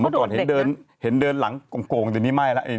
เมื่อก่อนเห็นเดินหลังโกลณ์โกลณ์ที่นี่ไม่แล้ว